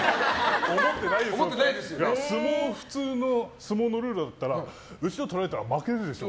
普通の相撲のルールだったら後ろを取られたら負けるでしょ。